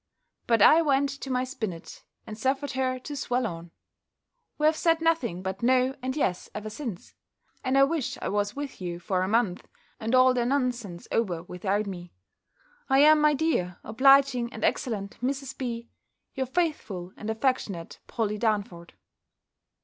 But I went to my spinnet, and suffered her to swell on. We have said nothing but No and Yes ever since; and I wish I was with you for a month, and all their nonsense over without me. I am, my dear, obliging, and excellent Mrs. B., your faithful and affectionate Polly Darnford.